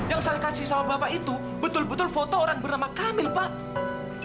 yang saya kasih sama bapak itu betul betul foto orang bernama kamil pak